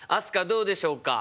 どうでしょうか？